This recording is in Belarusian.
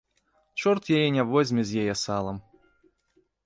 Чорт яе не возьме з яе салам.